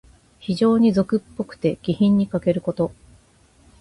非情に俗っぽくて、気品にかけること。